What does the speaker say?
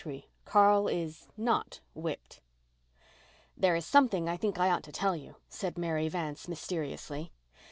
CARL IS—NOT—WHIPPED "There is something I think I ought to tell you," said Mary Vance mysteriously.